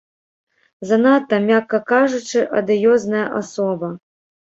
Занадта, мякка кажучы, адыёзная асоба.